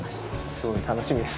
すごい楽しみです